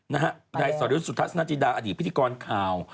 ในสริจสุทธิศนาจิดาอดีตพิธีกรข่าว